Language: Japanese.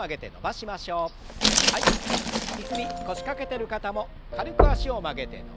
椅子に腰掛けてる方も軽く脚を曲げて伸ばします。